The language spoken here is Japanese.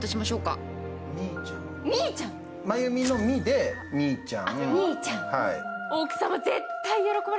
真由美の「み」でみーちゃん。